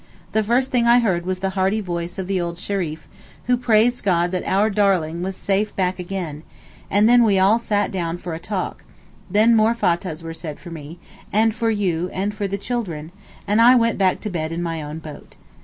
The first thing I heard was the hearty voice of the old Shereef, who praised God that 'our darling' was safe back again, and then we all sat down for a talk; then more Fattahs were said for me, and for you, and for the children; and I went back to bed in my own boat.